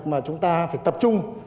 mà chúng ta phải tập trung